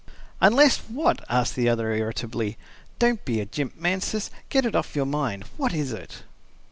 "Unless what?" asked the other, irritably. "Don't be a jimp, Mansus. Get it off your mind. What is it?"